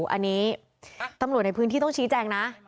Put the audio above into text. อันนี้ตำรวจในพื้นที่ต้องชี้แจงนะ